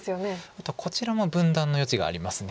あとこちらも分断の余地があります。